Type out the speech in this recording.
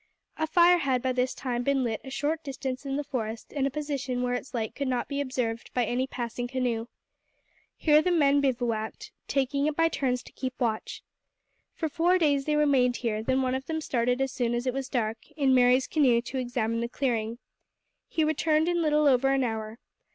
A fire had by this time been lit a short distance in the forest in a position where its light could not be observed by any passing canoe. Here the men bivouacked, taking it by turns to keep watch. For four days they remained here; then one of them started as soon as it was dark, in Mary's canoe, to examine the clearing. He returned in little over an hour.